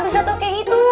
bisa tau kayak gitu